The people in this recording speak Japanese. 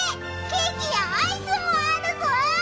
ケーキやアイスもあるぞ！